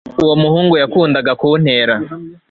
uwo muhungu yakundaga kuntera